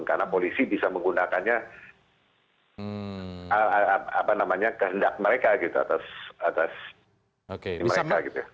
karena polisi bisa menggunakannya apa namanya kehendak mereka gitu atas mereka gitu